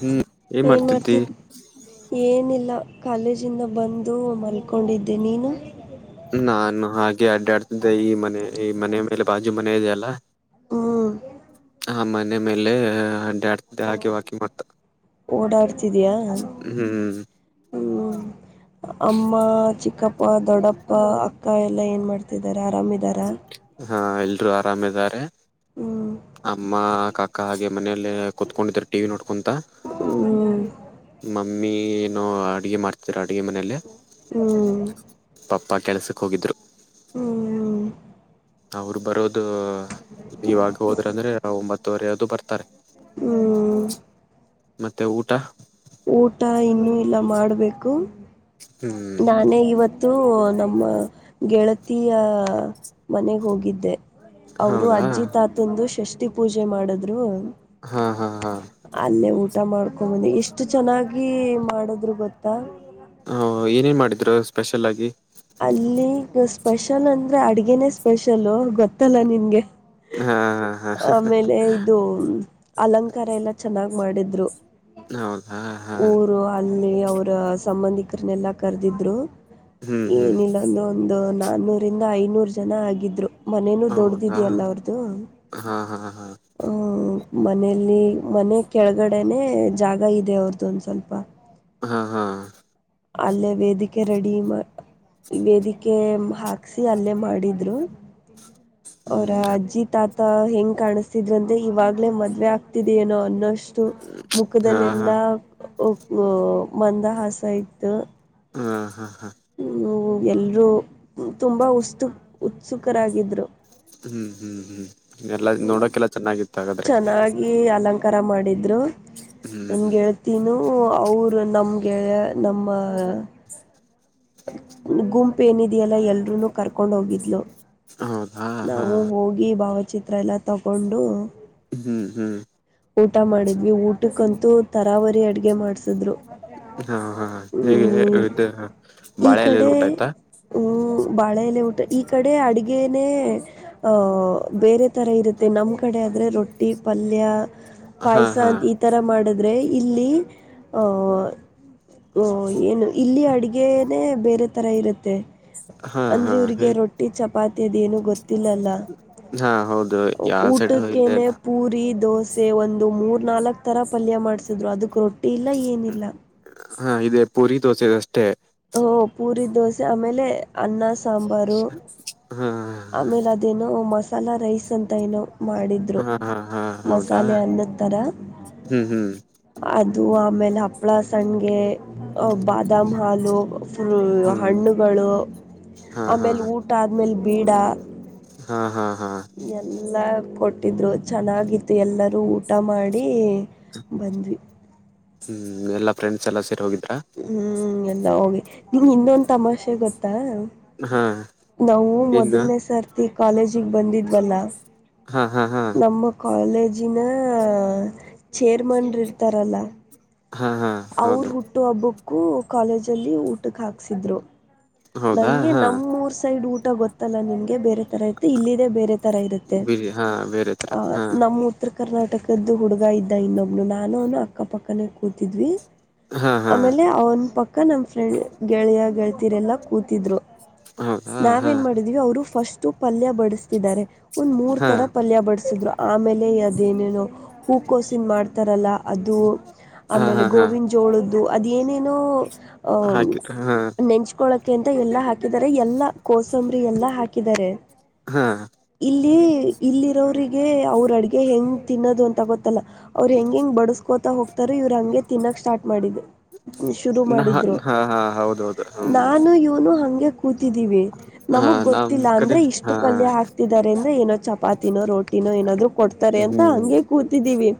ಹ್ಮ್ ಏನ್ ಮಾಡ್ತಿದ್ದಿ ಮಾಡತಿ ಏನಿಲ್ಲ ಕಾಲೇಜಿಂದ ಬಂದು ಮಲ್ಕೊಂಡಿದ್ದೆ ನೀನು? ನಾನು ಹಾಗೆ ಅಡ್ಡಾಡ್ತಿದ್ದೆ ಈ ಮನೆ ಈ ಮನೆ ಮೇಲೆ ಬಾಜು ಮನೆ ಇದೆಯಲ್ಲಾ. ಹ್ಮ್ ಆ ಮನೆ ಮೇಲೆ ಅ ಆ [unintelligible] [unintelligible] [unintelligible] ಹಾಕಿ ಮತ್ತ ಹ್ಮ್ ಹ್ಮ ಅಮ್ಮ ಚಿಕ್ಕಪ್ಪ ದೊಡ್ಡಪ್ಪ ಅಕ್ಕ ಎಲ್ಲಾ ಏನ್ ಮಾಡ್ತಿದಾರೆ ಆರಾಮಿದಾರ ಹಾ ಎಲ್ರೂ ಆರಾಮಿದಾರೆ ಹ್ಮ್ ಅಮ್ಮ ಕಾಕಾ ಹಾಗೆ ಮನೆಯಲ್ಲೇ ಕುೂತ್ಕೊಂಡಿದಿದ್ದಾರೆ ಟಿವಿ ನೋಡ್ಕೊಂತ ಹ್ಮ್ ಮಮ್ಮಿ ಏನೋ ಅಡ್ಗೆ ಮಾಡ್ತಿದಾರೆ ಅಡ್ಗೆ ಮನೇಲಿ ಹ್ಮ್ ಪಪ್ಪ ಕೆಲ್ಸಕ್ಕೆ ಹೋಗಿದ್ರು ಹ್ಮ್ ಅವರು ಬರೋದು ಇವಾಗ ಹೋದ್ರಂದ್ರೆ ಒಂಬತ್ತುವರೆ ಅದು ಬರ್ತಾರೆ ಹ್ಮ್ ಮತ್ತೆ ಊಟ ಊಟ ಇನ್ನು ಇಲ್ಲ ಮಾಡ್ಬೇಕು ಹ್ಮ್ ನಾನೇ ಇವತ್ತು ಅದು ನಮ್ಮ ಗೆಳತಿಯ ಮನೆಗೆ ಹೋಗಿದ್ದೆ ಅವರು ಹೌದಾ ಅಜ್ಜಿ ತಾತಂದು ಷಷ್ಠಿ ಪೂಜೆ ಮಾಡಿದ್ರು ಹಾ ಹಾ ಹಾ ಅಲ್ಲೇ ಊಟ ಮಾಡ್ಕೊಂಬನ್ನಿ ಎಷ್ಟು ಚೆನ್ನಾಗಿ ಮಾಡದ್ರು ಗೊತ್ತಾ ಹಾ ಏನೇನು ಮಾಡಿದ್ರು ಸ್ಪೆಷಲ್ ಆಗಿ ಅಲ್ಲಿಗ ಸ್ಪೆಷಲ್ ಅಂದ್ರೆ ಅಡ್ಗೆನೆೇ ಸ್ಪೆಷಲ್ಲು ಗೊತ್ತಲ್ಲ ನಿನ್ಗೆ ಹಾ ಹಾ ಹಾ ಆಮೇಲೆ ಇದು ಅಲಂಕಾರ ಎಲ್ಲ ಚೆನ್ನಾಗ್ ಮಾಡಿದ್ರು. ಹೌದಾ ಹಾ ಊರು ಅಲ್ಲಿ ಅವರ ಸಂಬಂಧಿಕರನ್ನೆಲ್ಲಾ ಕರೆದಿದ್ರು ಹ್ಮ್ ಹ್ಮ್ ಏನಿಲ್ಲ ಒಂದು ಒಂದು ನಾನ್ನೂರಿಂದ ಐನೂರು ಜನ ಆಗಿದ್ರು ಮನೇನೂ ಹೌದಾ ದೊಡ್ಡ್ದಿದ್ಯಲ್ಲ ಅವ್ರದೂ ಹಾ ಹಾ ಹಾ ಹ ಮನೇಲಿ ಮನೆ ಕೆಳಗಡೆನೆೇ ಜಾಗ ಇದೆ ಅವ್ರ್ದೊಂದ ಸ್ವಲ್ಪ ಹಾ ಹಾ ಅಲ್ಲೇ ವೇದಿಕೆ ರೆಡಿಯಿದೆ. ವೇದಿಕೆ ಹಾಕ್ಸಿ ಅಲ್ಲೇ ಮಾಡಿದ್ರು ಅವರ ಹ್ಮ್ ಅಜ್ಜಿ ತಾತ್ ತ ಹೆಂಗ್ ಕಾಣಿಸ್ತಿದ್ರಂತೆ ಇವಾಗಲೇ ಮದ್ವೆ ಆಗ್ತಿದೆ ಏನೋ ಅನ್ನೋಷ್ಟ ಇ ಹಾ ಹಾ ಮುಖದಲ್ಲೆಲ್ಲಾ ಊ ಮಂದ ಹಾಸ ಇತ್ತು. ಹಾ ಹಾ ಹಾ ಹ ಎಲ್ಲರೂ ತುಂಬಾ ಉಸ್ತು ಉತ್ಸುಕರಾಗಿದ್ರು. ಹ್ಮ್ ಹ್ಮ್ ಹ್ಮ್ ಎಲ್ಲಾ ನೋಡೋಕೆಲ್ಲ ಚೆನ್ನಾಗಿತ್ತು ಹಾಗಾದ್ರೆ. ಈ ಅಲಂಕಾರ ಮಾಡಿದ್ರು ಹ್ಮ್ ಹ್ಮ್ ನನ್ಗೆ ತ್ತಿನೂ ಅವರು ನಮಗೆ ಯ ನಮ್ಮ ಗುಂಪ ಏನಿದೆಯಲ್ಲ ಎಲ್ರುೂ ಕರ್ಕೊಂಡು ಹೋಗಿದ್ಲು ಹೌದಾ ಹಾ ನಾವು ಹೋಗ ಈ ಭಾವಚಿತ್ರ ಎಲ್ಲ ತಗೊಂಡು ಹ್ಮ್ ಹ್ಮ್ ಊಟ ಮಾಡಿದ್ವಿ ಊಟಕ್ಕಂತೂ ತರಾವರಿ ಅಡ್ಗೆ ಮಾಡ್ಸಿದ್ರು ಹಾ ಹಾ [unintelligible] ಈ ಬಾಳೆ ಎಲೆಲಿ ಕಡೆ ಊಟ ಆಯ್ತಾ ಹ ಬಾಳೆಲೆ ಊಟ ಈ ಕಡೆ ಅಡಗೆನೆೇ ಬೇರೆ ಥರ ಇರುತ್ತೆ ನಮ್ಮ ಕಡೆ ಆದರೆ ರೊಟ್ಟಿ ಪಲ್ಯ ಹಾ ಪಾಯಸ ಹಾ ಇ ತರ ಮಾಡಿದ್ರೆ ಇಲ್ಲಿ ಆ ಅ ಅ ಏನು ಇಲ್ಲಿ ಅಡುಗೆ ಬೇರೆ ತರ ಇರುತ್ತೆ ಹಾ ಹಾ ಅಂದ್ರೆ ಇವ್ರಿಗೆ ಹೇಗ್ ರೊಟ್ಟಿ ಚಪಾತಿ ಅದೇನು ಗೊತ್ತ ಇಲ್ಲೆಲ್ಲ ಹಾ ಹೌದು ಯಾವ ಸೈಡ್ ಇಲ್ಲೇ ಊಟಕ್ಕೆೇನೆ ಇಲ್ಲ ಪೂರಿ ದೋಸೆ ಒಂದು ಮೂರು ನಾಲ್ಕು ಥರ ಪಲ್ಯ ಮಾಡಿಸಿದ್ರು ಅದಕ್ಕೆ ರೊಟ್ಟಿ ಇಲ್ಲ ಏನಿಲ್ಲ ಹಾ ಇದೇ ಪುರಿ ದೋಸೆಗೆ ಅಷ್ಟೇ. ಓ ಪೂರಿ ದೋಸೆ ಆಮೇಲೆ ಅನ್ನ ಸಾಂಬಾರು. ಹಾ ಹಾ ಆಮೇಲೆ ಅದೇನೋ ಮಸಾಲಾ ರೈಸ್ ಅಂತ ಏನೋ ಮಾಡಿದ ಡ್ರು ಹಾ ಹಾ ಹಾ ಹೌದಾ ಮಸಾಲೆ ಅನ್ನತ್ತರ. ಹ್ಮ್ ಹ್ಮ್ ಅದು ಆಮೇಲೆ ಹಪ್ಳ ಸಣ್ಗೆ ಹ್ ಬಾದಾಮ ಹ್ಮ್ ಹಾಲು. ಫುಲ್ ಹ್ಮ್ ಹಣ್ಣುಗಳು ಹಾ ಹಾ ಆಮೇಲೆ ಊಟ ಆದ್ಮೇಲೆ ಬೀಡ. ಹಾ ಹಾ ಹಾ ಎಲ್ಲ ಕೊಟ್ಟಿದ್ರು ಚೆನ್ನಾಗಿತ್ತು ಎಲ್ಲರೂ ಊಟ ಮಾಡಿ. ಬಂದ್ವಿ. ಹ್ಮ್ ಎಲ್ಲ ಫ್ರೆಂಡ್ಸ್ ಎಲ್ಲಾ ಸೇರಿ ಹೋಗಿದ್ರಾ. ಹ್ಮ್ ಎಲ್ಲ ಹೋಗಿ ನಿಂಗೆ ಇನ್ನೊಂದು ತಮಾಷೆ ಗೊತ್ತಾ. ಹಾ ನಾವು ಇನ್ನು ಮೊದಲನೇ ಸರ್ತಿ ಕಾಲೇಜಿಗೆ ಬಂದಿದ್ವಲ್ಲ. ಹಾ ಹಾ ಹಾ ನಮ್ಮ ಕಾಲೇಜಿನ ಚೇರ್ಮನ್ರು ಇರ್ತಾರಲ್ಲ. ಹಾ ಹಾ ಅವರು ಹೌದು ಹುಟ್ಟು ಹಬ್ಬಕ್ಕೂ ಕಾಲೇಜಲ್ಲಿ ಊಟಕ್ಕೆ ಹಾಕ್ಸಿದ್ರು. ಹೌದಾ ನಂಗೆ ಹಾ ನಮ್ಮೂರು ಸೈಡ್ ಊಟ ಗೊತ್ತಲ್ಲ ನಿಂಗೆ ಬೇರೆ ತರ ಇರುತ್ತೆ ಇಲ್ಲದೆೇ ಬೇರೆ ತರ ತರ ಇರುತ್ತೆ ಬಿರಿ ಹಾ ಬೇರೆ ತರ ಆ ಹಾ ನಮ್ಮ ಉತ್ತರ ಕರ್ನಾಟಕದ್ದು ಹುಡುಗ ಇದ್ದ ಇನ್ನೊಬ್ನು ನಾನು ಅವ್ನು ಅಕ್ಕಪಕ್ಕನೇ ಕೂತಿದ್ವಿ. ಹಾ ಹಾ ಆಮೇಲೆ ಅವನ್ ಪಕ್ಕ ನಮ್ ಫ್ರೆಂಡ್ ಗೆಳೆಯ ಗೆಳತೀರೆಲ್ಲಾ ಕೂತಿದ್ರು. ಹೌದಾ ಹಾ ನಾವೇನ್ ಮಾಡಿದೀವಿ ಅವರು ಫಸ್ಟು ಪಲ್ಯ ಬಡಿಸತಿದ್ದಾರೆ ಒಂದ್ ಮೂರ್ ಹಾ ತರ ಪಲ್ಯ ಬಡಸಿದ್ರು. ಆಮೇಲೆ ಅದೇನೇನೋ ಹೂಕೋಸನ್ ಮಾಡ್ತಾರಲ್ಲ ಅದು ಹಾ ಆಮೇಲೆ. ಹಾ ಹಾ ಜೊಳ್ಳಾದ್ದು ಅದು ಏನೇನೋ ಅ ಹಾಕಿ ಹಾ ನೆಂಚಿಕೊಳ್ಳೋಕ್ಕೆ. ಕಂತೆ ಎಲ್ಲಾ ಹಾಕಿದಿದ್ದಾರೆ ಎಲ್ಲಾ ಕೋಸಂಬರಿ ಎಲ್ಲಾ ಹಾಕಿದ್ದಾರೆ. ಹಾ ಇಲ್ಲಿ ಇಲ್ಲಿರೋರಿಗೆ ಅವ್ರ ಅಡ್ಗೆ ಹೆಂಗ್ ತಿನ್ನೋದು ಅಂತ ಗೊತ್ತ ಅವ್ರು ಹೆಂಗ ಹೆಂಗ್ ಬಡಸ್ಕೋತಾ ಹೋಗ್ತಾರ ಇವ್ರು ಹಂಗೆ ತಿನ್ನಕ್ ಸ್ಟಾರ್ಟ್ ಮಾಡಿದ್ದು. ಶುರು ನ ಮಾಡಿದ್ರು ಹಾ ಹಾ ಹೌದೌದು ಹ್ಮ್ ನಾನು ಇವನು ಹಂಗೆ ಕೂತಿದ್ದೀವಿ ಹಾ ನಮಗ ನಮ್ ಗೊತ್ತಿಲ್ಲ ಕಡೆ ಅಂದ್ರೆ ಇಷ್ಟು ಹಾ ಪಲ್ಯ ಹಾಕ್ತಿದ್ದಾರೆ ಅಂದ್ರೆ ಏನೋ ಚಪಾತಿನೋ ರೋಟ್ ತಿನೋ ಏನಾದ್ರು ಕೊಡ್ತಾರೆ ಅಂತ ಹ್ಮ್ ಹಂಗೆ ಕೂತಿದ್ದೀವಿ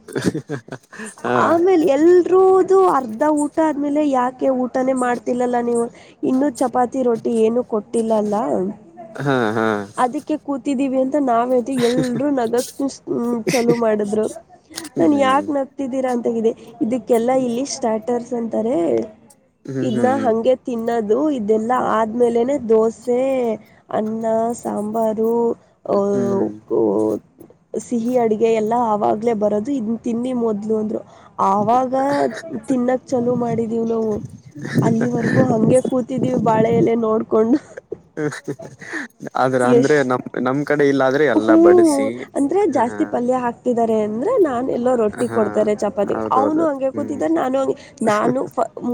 ಹಾ ಆಮೇಲೆ ಎಲ್ ಡ್ರು ಅರ್ಧ ಊಟ ಆದ್ಮೇಲೆ ಯಾಕೆ ಊಟನೇ ಮಾಡ್ತಿಲ್ಲಲ್ಲ ನೀವು ಇನ್ನು ಚಪಾತಿ. ರೋಟಿ ಏನು ಕೊಟ್ಟಿಲ್ಲಲ್ಲ ಹಾ ಹಾ ಅದ್ಕೆ ಕ್ಕೆ ಕೂತಿದ್ದೀವಿ ಅಂತ ನಾವ ತಿ ಎಲ್ರು ನಾಗೋಕೆ ಚಲೋ ಮಾಡಿದ್ರು. ಹ್ಮ್ ನನ್ ಯಾಕ ನಕ್ ಅಂತಿದಿರಾ ಅಂತಿದೆ ಇದಕ್ಕೆಲ್ಲಾ ಇಲ್ಲಿ ಸ್ಟಾರ್ಟರ್ಸ್ ಅಂತಾರೆ ಹ್ಮ್ ಇದನ್ನ ಹ್ಮ್ ಹ್ಮ್ ಹಂಗೆ ತಿನ್ ತಿನ್ನೋದು ಇದೆಲ್ಲ ಆದ್ಮೇಲೆನೆ ದೋಸೆ ಅನ್ನ ಸಾಂಬಾರು ಓ ಹ್ಮ್ ಓ ಸಿಹಿ ಅಡಗೆ ಎಲ್ಲಾ ಆವಾಗ್ಲೇ ಬರೋದು ಇದನ್ನ ತಿನ್ನಿ ಮೊದ್ಲು ಅಂದ್ರು ಆವಾಗ ತಿನ್ನಕ್ ಚಲೋ ಮಾಡಿದೀವಿ ನಾವು. ಅಲ್ಲಿವರ್ಗೂ ಹಂಗೆ ಕೂತಿದೀವಿ ಬಾಳೆ ಎಲೆ ನೋಡ್ಕೊಂಡು. ಆದ್ರ ಅಂದ್ರೆ ನಮ ನಮ್ ಕಡೆ ಇಲ್ಲಾದ್ರೆ ಹ್ಮ ಅಂದ್ರೆ ಜಾಸ್ತಿ ಪಲ್ಯ ಹಾಕ್ತಿದ್ದಾರೆ ಅಂದ್ರೆ ನಾನ್ ಎಲ್ಲೋ ರೊಟ್ಟಿ ಹಾ ಕೊಡ್ತಾರೆ ಚಪಾತಿ ಅವನು ಹೌದೌದು ಹಂಗೆ ಹ್ಮ್ ಕೂತಿದ್ದ ನಾನು ಹಂಗೆ ನಾನು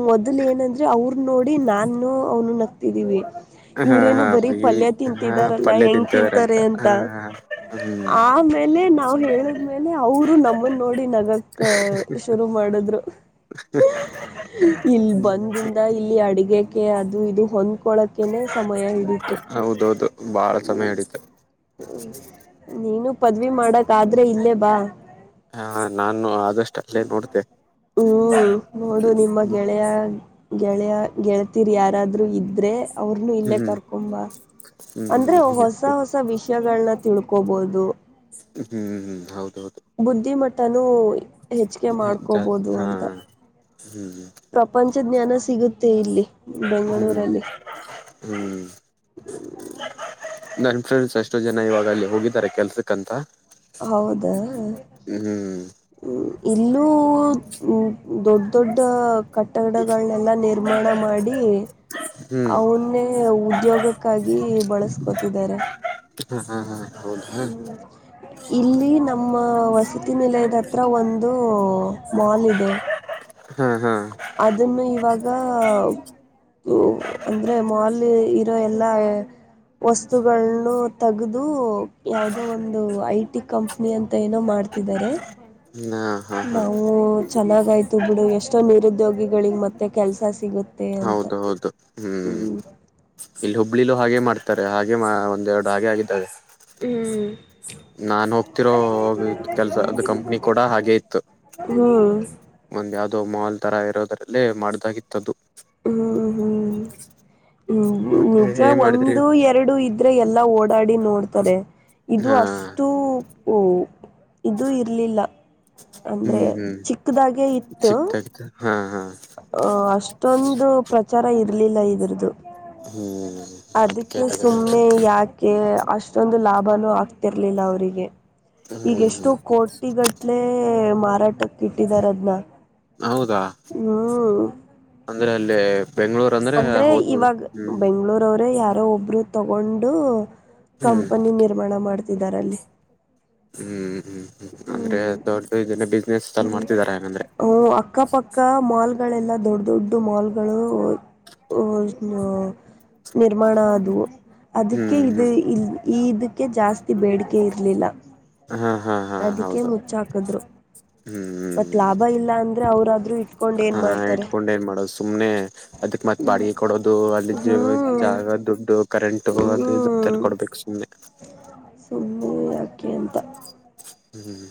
ಮೊದ್ಲು ಏನಂದ್ರೆ ಅವ್ರ ನೋಡಿ ನಾನು ಅವನು ನಗ್ತಿದೀವಿ ಹಾ ಇವ್ರೇನು ಹಾ ಬರೀ ಈ ಪಲ್ಯ ಹಾ ತಿಂತಿದಾರಲ್ಲಾ ಪಲ್ಯ ಹೆಂಗ್ ತಿಂತಿದಾರಂತ ತಿಂತಾರೆ ಅಂತ ಹ್ಮ್ ಆಮೇಲೆ ನಾವ್ ಹೇಳಿದ್ಮೇಲೆ ಅವರು ನಮ್ಮನ್ ನೋಡಿ ನಗಕ್ ಶುರು ಮಾಡಿದ್ರು ಇಲ್ ಹ್ಮ್ ಬಂದಿಂದ ಇಲ್ಲಿ ಅಡಿಗೆ ಅದು ಇದು ಹೊಂದ್ಕೊಳಕೆನೆ ಸಮಯ ಹಿಡಿತು. ಹೌದೌದು ಬಾಳ ಸಮಯ ಹಿಡಿತು ನೀನು ಪದವಿ ಮಾಡೊದಾದ್ರೆ ಇಲ್ಲೇ ಬಾ. ಹಾ ನಾನು ಆದಷ್ಟ ಅಲ್ಲೇ ನೋಡ್ತೆ ಹ್ಮ್ ನೋಡು ನಿಮ್ಮ ಹ್ಮ್ ಗೆಳೆಯ ಗೆಳೆಯ ಗೆಳತಿರ್ ಯಾರಾದ್ರು ಇದ್ರೆ ಅವ್ರನು ಇಲ್ಲೇ ಹ್ಮ್ ಕರ್ಕೊಂಡ್ ಬಾ ಅಂದ್ರೆ ಹೊಸ ಹ್ಮ್ ಹೊಸ ವಿಷಯ ವಿಷಯಗಳನ್ನ ತಿಳ್ಕೋಬಹುದು. ಹ್ಮ್ ಹ್ಮ್ ಹೌದ ಹೌದು. ಬುದ್ಧಿಮಟ್ಟನು ಹೆಚ್ಚಿಗೆ ಜಾಸ್ತಿ ಮಾಡ್ಕೋಬೋದು ಹಾ ಅಂತ. ಹ್ಮ್ [unintelligible] ಪ್ರಪಂಚದ್ ಜ್ಞಾನ ಸಿಗುತ್ತೆ ಇಲ್ಲಿ. ಹ್ಮ್ ಬೆಂಗಳೂರಲ್ಲಿ ಹ್ಮ್ ನನ್ ಫ್ರೆಂಡ್ಸ್ ಎಷ್ಟೋ ಜನ ಇವಾಗ ಅಲ್ಲಿ ಹೋಗಿದ್ದಾರೆ ಕೆಲ್ಸಕ್ಕಂತ ಹೌದಾ ಹ್ಮ್ ಹ್ಮ್ ಹ್ಮ ಇಲ್ಲೂ ದೊಡ್ಡ ದೊಡ್ಡ ಕಟ್ಟಡಗಳನ್ನೆಲ್ಲ ನಿರ್ಮಾಣ ಮಾಡಿ ಹ್ಮ್ ಅವನ್ನೇ ಉದ್ಯೋಗಕ್ಕಾಗಿ ಬಳಸ್ಕೋತಿದ್ದಾರೆ. ಹ್ಮ ಹ [unintelligible] [unintelligible] [unintelligible] [unintelligible] [unintelligible] ಇಲ್ಲಿ ನಮ್ಮ ವಸತಿ ನಿಲಯದ ಹತ್ರ ಒಂದು ಮಾಲ್ ಇದೆ. ಹ್ಮ್ ಹ್ಮ್ ಅದನ್ನು ಇವಾಗ ಅಂದ್ರೆ ಮಾಲ್ ಇರೋ ಎಲ್ಲಾ ವಸ್ತುಗಳನ್ನು ತಗದು ಯಾವದೋ ಒಂದು ಐ ಟಿ ಕಂಪ್ನಿ ಅಂತ ಏನೋ ಮಾಡ ರ್ತಿದ್ದಾರೆ. ನ [unintelligible] ನಾವು ಚೆನ್ನಾಗಯ್ತು ಬಿಡು ಎಷ್ಟೋ ನಿರುದ್ಯೋಗಿಗಳಿಗೆ ಮತ್ತೆ ಕೆಲ್ಸ ಸಿಗುತ್ತೆ. ಅಂತ ಹೌದ ಹೌದು ಹ್ಮ್ ಇಲ್ಲಿ ಹುಬ್ಳಿಲು ಹಾಗೆ ಮಾಡ್ತಾರೆ ಹಾಗೆ ಒಂದ್ ಎರಡು ಹಾಗೆ ಆಗಿದ್ದಾರೆ. ಹ್ಮ್ ನಾನ್ ಹೋಗ್ತಿರೋ ಕೆಲ್ಸ ಅದ ಕಂಪ್ನಿ ಕೂಡ ಹಾಗೆ ಇತ್ತು. ಹ್ಮ್ ಒಂದ್ ಯಾವ್ದೋ ಮಾಲ್ ತರ ಇರೋದ್ರಲ್ಲೇ ಮಾಡ್ದಾಗಿತ್ತದ್ದದು. ಹ್ಮ್ ಹ್ಮ್ ಮತ್ತೆ ನಿಜ ಏನ್ ಮಾಡಿದ್ರಿ ಒಂದು ಎರಡು ಇದ ಇದ್ರೆ ಎಲ್ಲಾ ಓಡಾಡಿ ನೋಡ್ತಾರೆ ಇದು ಹಾ ಅಷ್ಟ ಅಷ್ಟು [unintelligible] ಇದು ಇರಲಿಲ್ಲ. ಅಂದ್ರೆ ಹ್ಮ್ ಹ್ಮ್ ಚಿಕ್ಕದಾಗೆ ಇತ್ತು ಚಿಕ್ದಾಗಿತ್ತು ಹಾ ಹಾ ಅ ಅಷ್ಟೊಂದು ಪ್ರಚಾರ ಇರ್ಲಿಲ್ಲ ಇದ್ರುದು. ಹ್ಮ್ ಅದ್ಕೆ ಅದಕ್ಕೆ ತಗದು ಸುಮ್ನೆ ಯಾಕೆ ಅಷ್ಟೊಂದು ಲಾಭನು ಆಗ್ತಿರ್ಲಿಲ್ಲ ಅವರಿಗೆ ಹ್ಮ್ ಈಗಷ್ಟೋ ಹ್ಮ್ ಹ್ಮ್ ಕೋಟಿ ಗಟ್ಲೆ ಮಾರಾಟಕ್ಕ ಇಟ್ಟಿದಾರ ಅದನ್ನ ಹೌದಾ ಹ್ಮೂ ಅಂದ್ರೆ ಅಲ್ಲೇ ಅಂದ್ರೆ ಇವಾಗ್ ಬೆಂಗ್ಳೂರ ಅವ್ರು ಯಾರೋ ಒಬ್ರು. ತಗೊಂಡು ಹ್ಮ್ ಕಂಪನಿ ನಿರ್ಮಾಣ ಮಾಡ್ತಿದ್ದಾರಲ್ಲಿ. ಹ್ಮ್ ಹ್ಮ್ ಹ್ಮ್ ಅಂದ್ರೆ ದೊಡ್ಡ ಇದನ ಬಿಸ್ನೆಸ್ ಚಾಲು ಹ್ಮ್ ಮಾಡ್ತಿದಾರೆ ಹಂಗಂದ್ರೆ. ಹ್ಞೂ ಅಕ್ಕಪಕ್ಕ ಮಾಲ್ಗಳೆಲ್ಲ ದೊಡ್ಡ ದೊಡ್ಡ ಮಾಲ್ಗಳೂ ಊ ನ ನಿರ್ಮಾಣ ಆದವು ಅದಕ್ಕೆ ಹ್ಮ್ ಇದು ಹ್ಮ್ ಇ ಈ ಇದಕ್ಕೆ ಜಾಸ್ತಿ ಬೇಡಿಕೆ ಇರಲಿಲ್ಲ. ಹ ಹ ಹ ಅದಕ್ಕೆ ಮುಚ್ಚಾಕದ್ರು. ಹ್ಮ್್ಮ ಮತ್ ಲಾಭ ಇಲ್ಲ ಅಂದ್ರೆ ಅವ್ರಾದ್ರರು ಇಟ್ಕೊಂಡ್ ಏನ್ ಹಾ ಮಾಡ್ತಾರೆ. ಇಟ್ಕೊಂಡ್ ಏನ್ ಮಾಡೋದು ಸುಮ್ನೆ ಅದಕ್ ಮತ್ ಬಾಡಿಗೆ ಕೊಡೋದು ಅಲ್ಲಿ ಹ್ಞೂ ಜಾಗ ದುಡ್ಡು ಕರೆಂಟು ಅದು ಹ್ಞೂ ಇದು ತಲ್ ಕೊಡ್ಬೇಕು ಸುಮ್ಮನೆ. ಸುಮ್ಮನೆ ಯಾಕೆ ಅಂತ ಹ್ಮ್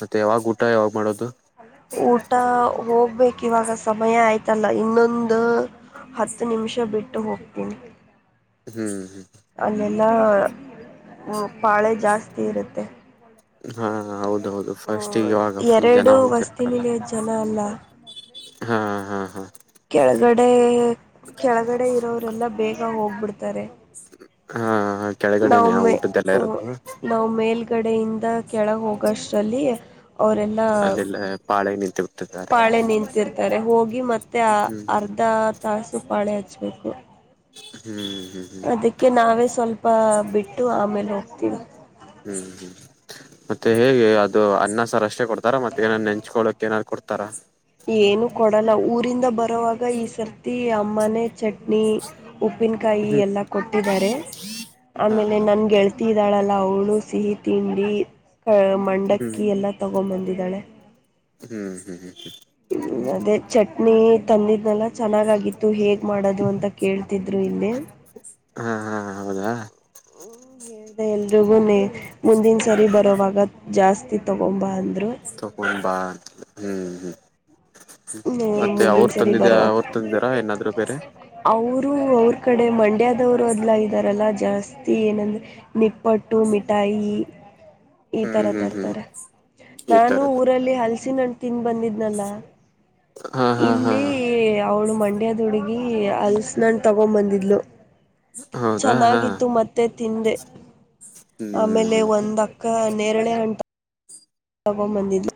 ಮತ್ತೆ ಯಾವಾಗ ಊಟ ಯಾವಾಗ್ ಮಾಡೋದು ಊಟ ಹೋಗ್ಬೇಕು ಇವಾಗ ಸಮಯ ಆಯ್ತಲ್ಲ ಇನ್ನೊಂದು ಹತ್ತು ನಿಮಿಷ ಬಿಟ್ಟು ಹೋಗ್ತೀನಿ ಹ್ಮ್ ಹ್ಮ್ ಅಲ್ಲೆಲ್ಲ ಪಾಳೆ ಜಾಸ್ತಿ ಇರುತ್ತೆ ಹಾ ಹೌದೌದು ಫಸ್ಟ್ ಈ ಇವಾಗ ಫುಲ್ ಜನ ಹೋಗ್ತಿರ್ತಾರಲ್ಲ ಏನು ಇಲ್ಲ. ಹಾ ಹಾ ಹಾ ಕೆಳಗಡೆ ಕೆಳಗಡೆ ಇರೋರೆಲ್ಲ ಬೇಗ ಹೋಗ್ಬಿಡ್ತಾರೆ ಹಾ ಹ ನಾವು ಕೆಳಗಡೆನೆ ಆ ಮೇ ಊಟದ್ದೆಲ್ಲ ಇರೊದು. ನಾವು ಮೇಲುಗಡೆಯಿಂದ ಕೆಳಗೆ ಹೋಗೋಷ್ಟರಲ್ಲಿ ಅವರೆಲ್ಲ ಅಲ್ಲೆಲ್ಲ ಪಾಳೆ ನಿಂತುಬಿಟ್ಟಿದ್ದಾರೆ ಪಾಳೆ ನಿಂತಿರ್ತಾರೆ ಹೋಗಿ ಮತ್ತೆ ಆ ಹ್ಮ್ ಅರ್ಧ ತಾಸು ಪಾಳೆ ಹಚ್ಚಬೇಕು ಹ್ಮ್್ಮ ಹ್ಮ್ ಹ್ಮ್ ಅದಕ್ಕೆ ನಾವೇ ಸ್ವಲ್ಪ ಬಿಟ್ಟು ಆಮೇಲೆ ಹೋಗ್ತೀವಿ ಹ್ಮ್ ಹ್ಮ್ ಮತ್ತೆ ಹೇಗೆ ಅದು ಅನ್ನ ಸಾರ್ ಅಷ್ಟೇ ಕೊಡ್ತಾರ ಮತ್ತೆ ಏನಾರ್ ನೆಂಚ್ಕೊಳಕ್ ಏನಾದ್ರು ಕೊಡ್ತಾರಾ ಏನು ಕೊಡೋಲ್ಲ ಊರಿಂದ ಬರೋವಾಗ ಈ ಸರ್ತಿ ಅಮ್ಮನೆ ಚಟ್ನಿ ಉಪ್ಪಿನಕಾಯಿ ಹ್ಮ್ ಎಲ್ಲ ಕೊಟ್ಟಿದ್ದಾರೆ ಹಾ ಆಮೇಲೆ ಹಾ ನನ್ ಗೆಳ್ ಇದಾಳಲ್ಲ ಅವಳು ಸಿಹಿ ತಿಂಡಿ ಹ್ಮ್ ಮಂಡಕ್ಕಿ ಎಲ್ಲ ತಗೊಂಡ ಬಂದಿದ್ದಾಳೆ. ಹ್ಮ್ ಹ್ಮ್ ಹ್ಮ್ ಹ್ಮ್ ಹ್ಮ ಅದೇ ಚಟ್ನಿ ತಂದಿದ್ನಲ್ಲ ಚೆನ್ನಾಗಾಗಿತ್ತು ಹೇಗ್ ಮಾಡೋದು ಅಂತ ಕೇಳ್ತ ಇದ್ರು ಇಲ್ಲಿ ಹಾ ಹಾ ಹಾ ಹೌದಾ [inaudible] ಮುಂದಿನ ಸರಿ ಬರೋವಾಗ ಜಾಸ್ತಿ ತಗೊಂಬ ಅಂದ್ರು. ತಗೊಂಬಾ ಹ್ಮ್ ಹ್ಮ ಮತ್ತೆ ಮುಂದಿನ ಅವರು ಸರಿ ತಂದಿದ ಅವರು ತಂದಿದ್ದಾರ ಏನಾದ್ರು ಬೇರೆ ಅವ್ರು ಅವ್ರ ಕಡೆ ಮಂಡ್ಯದವರ ಎಲ್ಲಾ ಇದ್ದಾರಲ್ಲ ಜಾಸ್ತಿ ಏನಂದರೆ ನಿಪ್ಪಟ್ಟು ಮಿಠಾಯಿ. ಈ ತರ ಹ್ಮ್ ಹ್ಮ್ ಹ್ಮ್ ತರ್ತಾರೆ ಈ ನಾನು ತರದ ಊರಲ್ಲಿ ಹಲಸಿನ ಹಣ್ಣ ತಿಂದ ಬಂದಿದ್ನಲ್ಲ. ಹಾ ಹಾ ಹಾ ಇಲ್ಲಿ ಅವ್ಳ ಮಂಡ್ಯದ ಹುಡ್ಗಿ ಅಲ್ಸ ನನ್ನ ತುಗೊಂದ ಬಂದಿದ್ಲು. ಹೌದಾ ಹಾ ಚೆನ್ನಾಗಿತ್ತು ಮತ್ತೆ ತಿಂದೆ ಹ್ಮ್ ಆಮೇಲೆ ಹ್ಮ್ ಒಂದ ಕ್ಕ ನೇರಳೆ ಹನ್ನ ತುಗೊಂದ ಬಂದಿದ್ಲು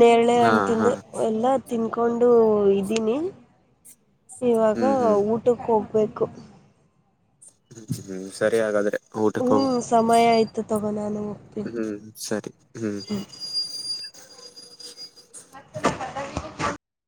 ನೇರಳೆ ಹಾ ಅನ್ನ ಹಾ ತಿಂದೆ ಎಲ್ಲಾ ತಿನ್ಕೊಂಡು ಇದ್ದೀನಿ. ಇವಾಗ ಹ್ಮ್ ಹ್ಮ್ ಊಟಕ್ಕ ಹೋಗ್ಬೇಕು. ಹ್ಮ ಸರಿ ಹಾಗಾದ್ರೆ ಊಟಕ್ಕ ಹ್ಞೂ ಹೋಗ ಸಮಯ ಆಯಿತು ತಗೋ ನಾನು ಹೋಗ್ತೀನಿ ಹ್ಮ ಸರಿ ಹ್ಮ. [unintelligible]